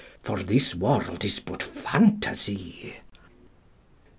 ffor bis world is but fantasy.